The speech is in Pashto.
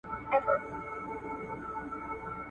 د خلکو انتخاب چاپیریال اغېزمنوي.